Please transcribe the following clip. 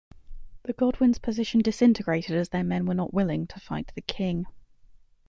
The Godwins' position disintegrated as their men were not willing to fight the king.